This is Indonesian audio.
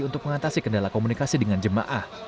untuk mengatasi kendala komunikasi dengan jemaah